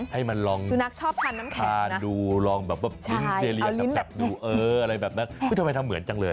ให้มันลองทานดูลองแบบนิ้นเจลียนดูเอออะไรแบบนั้นทำไมทำเหมือนจังเลย